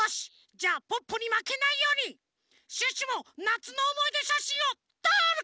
じゃあポッポにまけないようにシュッシュもなつのおもいでしゃしんをとる！